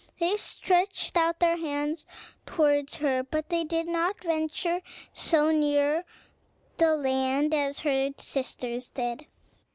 They stretched out their hands towards her, but they did not venture so near the land as her sisters did.